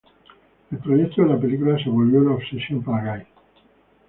El proyecto de la película se volvió una obsesión para Guy.